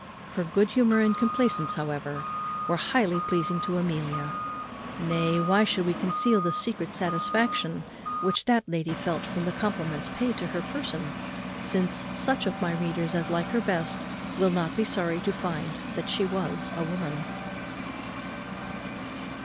Her good humour and complaisance, however, were highly pleasing to Amelia. Nay, why should we conceal the secret satisfaction which that lady felt from the compliments paid to her person? since such of my readers as like her best will not be sorry to find that she was a woman.